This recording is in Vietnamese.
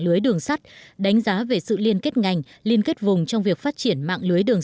lưới đường sắt đánh giá về sự liên kết ngành liên kết vùng trong việc phát triển mạng lưới đường